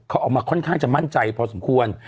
เขาออกมาค่อนข้างจะมั่นใจพอสมควร